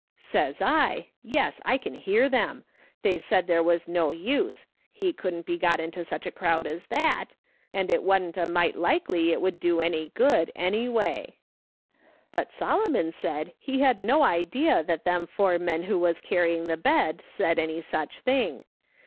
Says I :* Yes, "/ THINK THERE WAS AN UNBELIEVER." 131 I can hear them ; they said there was no use ; he couldn't be got into such a crowd as that, and it wa'n't a mite likely it would do any good anyway.' " But Solomon said he had no idea that them four men who was carrying the bed said any such thing.